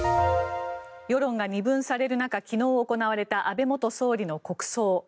世論が二分される中昨日行われた安倍元総理の国葬。